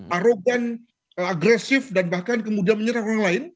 arogan agresif dan bahkan kemudian menyerang orang lain